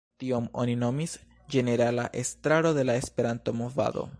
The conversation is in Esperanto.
Tion oni nomis "Ĝenerala Estraro de la Esperanto-Movado".